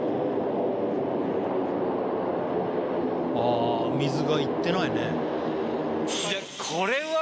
あ水がいってないね。